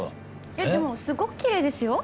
えっでもすごくきれいですよ。